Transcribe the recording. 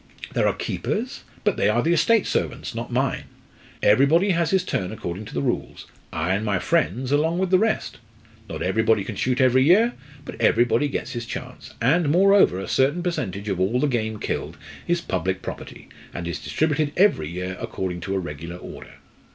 There are keepers, but they are the estate servants, not mine. Everybody has his turn according to the rules I and my friends along with the rest. Not everybody can shoot every year, but everybody gets his chance, and, moreover, a certain percentage of all the game killed is public property, and is distributed every year according to a regular order."